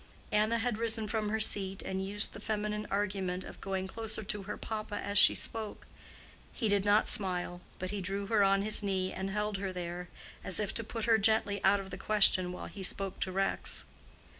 Anna had risen from her seat, and used the feminine argument of going closer to her papa as she spoke. He did not smile, but he drew her on his knee and held her there, as if to put her gently out of the question while he spoke to Rex.